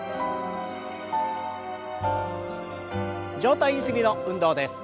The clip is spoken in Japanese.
上体ゆすりの運動です。